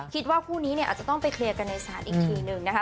คิดว่าคู่นี้อาจจะต้องไปเคลียร์กันในสถานีอีกทีหนึ่ง